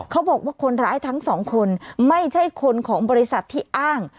เขาบอกว่าคนร้ายทั้งสองคนไม่ใช่คนของบริษัทที่อ้าง